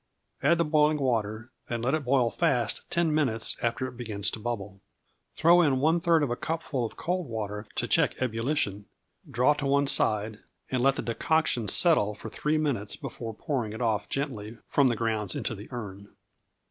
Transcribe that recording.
Add the boiling water, and let it boil fast ten minutes after it begins to bubble. Throw in one third of a cupful of cold water to check ebullition; draw to one side, and let the decoction settle for three minutes before pouring it off gently from the grounds into the urn.